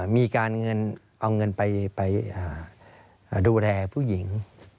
มีการเงินเอาเงินไปดูแลผู้หญิง